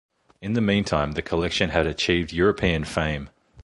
In the meantime the collection had achieved European fame.